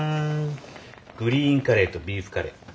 グリーンカレーとビーフカレー。